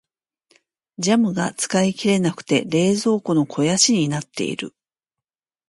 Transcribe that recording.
ジャムが使い切れなくて冷蔵庫の肥やしになっている。